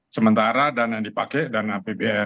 sementara dana yang dipakai dana pbn